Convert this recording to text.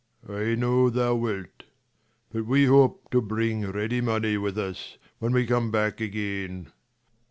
I know thou wilt; but we hope to bring ready money 45 With us, when we come back again.